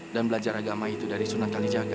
dan belajar agama itu dari sunan kalijaga